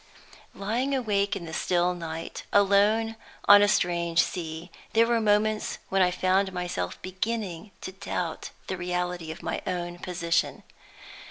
Lying awake in the still night, alone on a strange sea, there were moments when I found myself beginning to doubt the reality of my own position.